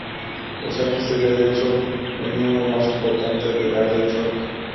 Ozaki sería de hecho el miembro más importante de la red Sorge.